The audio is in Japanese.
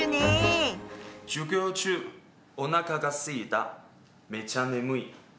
「授業中お腹がすいためちゃ眠い」。